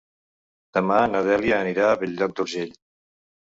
Demà na Dèlia anirà a Bell-lloc d'Urgell.